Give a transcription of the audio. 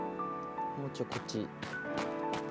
もうちょいこっち。